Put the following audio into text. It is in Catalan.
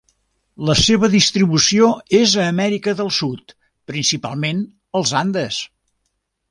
La seva distribució és a Amèrica del Sud, principalment als Andes.